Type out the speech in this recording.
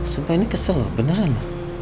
sumpah ini kesel loh beneran